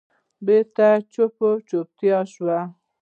بېرته چوپه چوپتیا شوه.